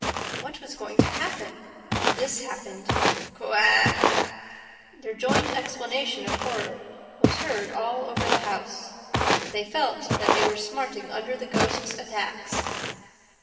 ... What was going to happen? This happened. "Co ack!" Their joint exclamation of horror was heard all over the house. THEY FELT THAT THEY WERE SMARTING UNDER THE GHOST'S ATTACKS.